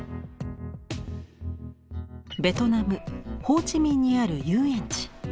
ベトナム・ホーチミンにある遊園地。